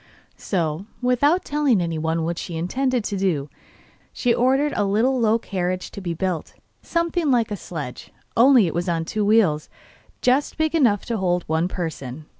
So, without telling anyone what she intended to do, she ordered a little low carriage to be built, something like a sledge, only it was on two wheels just big enough to hold one person.